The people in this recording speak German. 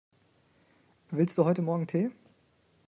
Willst du heute morgen Tee?